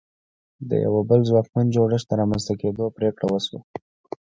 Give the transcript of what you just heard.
د یوه بل ځواکمن جوړښت د رامنځته کېدو پرېکړه وشوه.